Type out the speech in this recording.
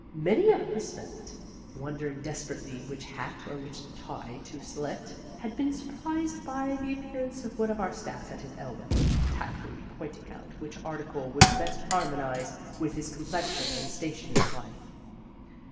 Many a husband, wondering desperately which hat or which tie to select, has been surprised by the appearance of one of our staff at his elbow, tactfully pointing out which article would best harmonize with his complexion and station in life.